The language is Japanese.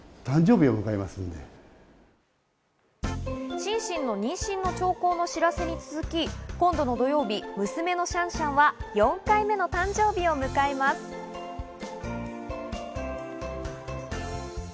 シンシンの妊娠の兆候の知らせに続き、今度の土曜日、娘のシャンシャンは４回目の誕生日を迎えます。